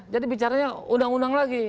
jadi bicaranya undang undang lagi